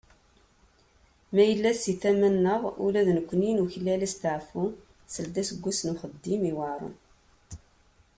Ma yella seg tama-nneɣ, ula d nekni nuklal asteεfu seld aseggas n uxeddim iweεṛen.